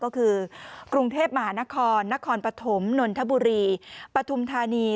ก็คือกรุงเทพมหานครนครปฐมนนทบุรีปฐุมธานี